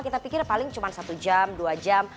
kita pikir paling cuma satu jam dua jam